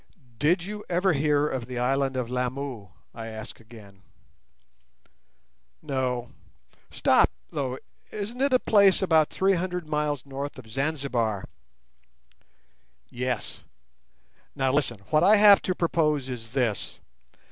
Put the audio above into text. "Did you ever hear of the Island of Lamu?" I asked again. "No. Stop, though—isn't it a place about 300 miles north of Zanzibar?" "Yes. Now listen. What I have to propose is this.